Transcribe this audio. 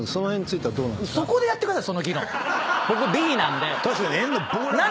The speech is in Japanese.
僕Ｂなんで。